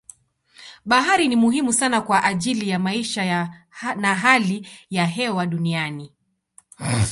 Bahari ni muhimu sana kwa ajili ya maisha na hali ya hewa duniani.